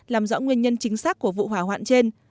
làm rõ nguyên nhân chính xác của vụ hỏa hoạn trên